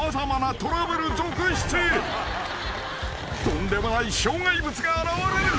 ［とんでもない障害物が現れる］